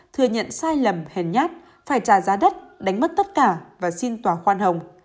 thừa nhận sai lầm hèn nhát phải trả giá đất đánh mất tất cả và xin tòa khoan hồng